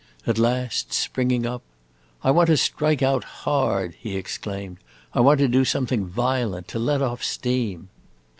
At last, springing up: "I want to strike out, hard!" he exclaimed. "I want to do something violent, to let off steam!"